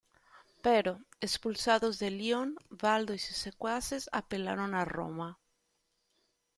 Pero, expulsados de Lyon, Valdo y sus secuaces apelaron a Roma.